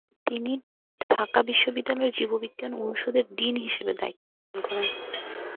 তিনি ঢাকা বিশ্ববিদ্যালয়ের জীববিজ্ঞান অনুষদের ডিন হিসেবে দায়িত্ব পালন করেন।